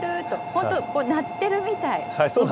本当、鳴ってるみたい。